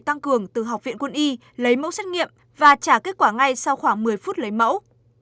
tăng cường từ học viện quân y lấy mẫu xét nghiệm và trả kết quả ngay sau khoảng một mươi phút lấy mẫu